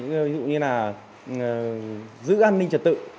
ví dụ như là giữ an ninh trật tự